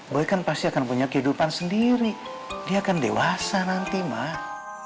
gue kan pasti akan punya kehidupan sendiri dia akan dewasa nanti mah